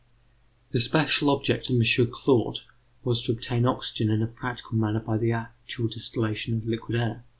The special object of M. Claude was to obtain oxygen in a practical manner by the actual distillation of liquid air.